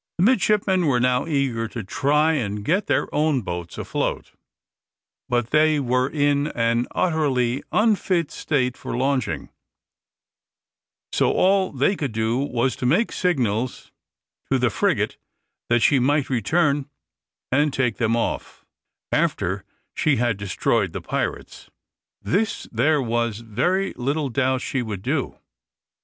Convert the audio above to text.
The midshipmen were now eager to try and get their own boats afloat, but they were in an utterly unfit state for launching, so all they could do was to make signals to the frigate that she might return and take them off, after she had destroyed the pirates. This there was very little doubt she would do.